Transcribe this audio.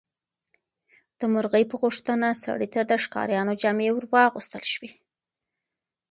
د مرغۍ په غوښتنه سړي ته د ښکاریانو جامې ورواغوستل شوې.